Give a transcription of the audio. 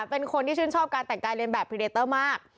เป็นคนที่ชื่นชอบการแต่งกายเรียนแบบพรีเดเตอร์มาก